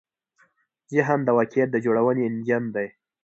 ذهن د واقعیت د جوړونې انجن دی.